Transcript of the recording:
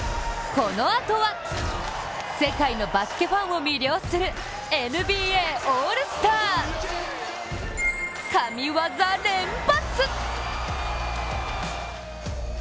このあとは、世界のバスケファンを魅了するＮＢＡオールスター。神業連発！